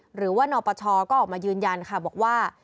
หรือว่านปชก็ออกมายืนยันค่ะบอกว่า